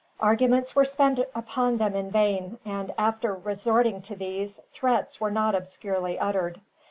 Arguments were spent upon them in vain and, after resorting to these, threats were not obscurely uttered.